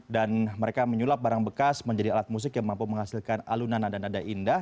dan mereka menyulap barang bekas menjadi alat musik yang mampu menghasilkan alunan nada nada indah